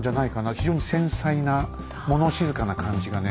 非常に繊細な物静かな感じがね